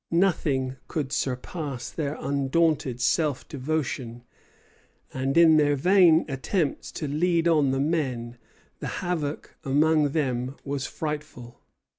Nothing could surpass their undaunted self devotion; and in their vain attempts to lead on the men, the havoc among them was frightful.